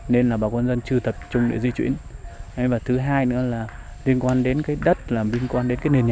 nên là bảo quan nhân dân chưa tập trung để di chuyển và thứ hai nữa là liên quan đến cái đất là liên quan đến cái nền nhà